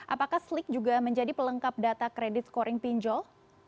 apakah slik juga menjadi pelengkap data kredit scoring pinjol